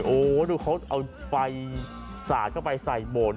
โอ้วโดยเขาจะเอาไฟศาสตร์เข้าไปใส่โบสถ์